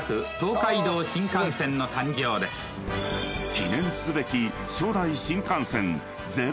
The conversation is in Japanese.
［記念すべき］